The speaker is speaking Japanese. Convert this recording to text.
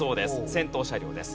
先頭車両です。